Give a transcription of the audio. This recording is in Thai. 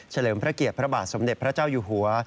เลิมพระเกียรติพระบาทสมเด็จพระเจ้าอยู่หัว